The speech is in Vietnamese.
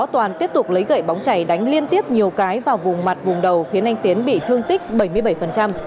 toàn tiếp tục lấy gậy bóng chảy đánh liên tiếp nhiều cái vào vùng mặt vùng đầu khiến anh tiến bị thương tích bảy mươi bảy